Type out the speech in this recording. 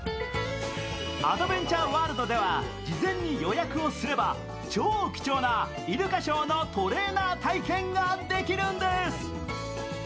アドベンチャーワールドでは事前に予約をすれば超貴重なイルカショーのトレーナー体験ができるんです。